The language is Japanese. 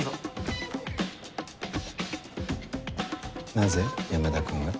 なぜ山田君が？